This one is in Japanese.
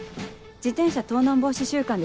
自転車盗難防止週間です。